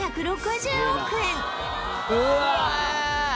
うわ